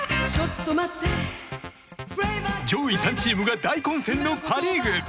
上位３チームが大混戦のパ・リーグ。